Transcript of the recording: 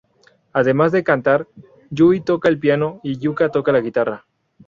Además de cantar, Yui toca el piano y Yuka toca la guitarra.